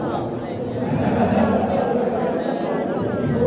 เปลี่ยนชุดค่ะ